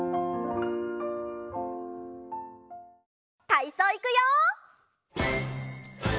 たいそういくよ！